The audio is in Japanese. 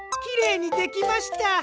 きれいにできました。